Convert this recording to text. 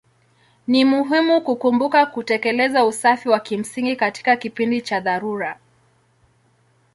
Ni muhimu kukumbuka kutekeleza usafi wa kimsingi katika kipindi cha dharura.